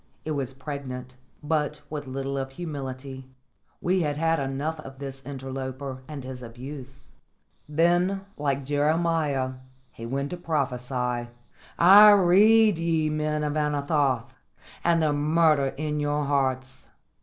It was pregnant, but with little of humility. We had had enough of this interloper and his abuse. Then, like Jeremiah, he went to prophesy: "I read ye, men of Anathoth, and the murder in your hearts.